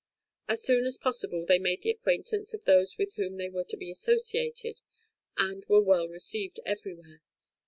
As soon as possible they made the acquaintance of those with whom they were to be associated, and were well received everywhere.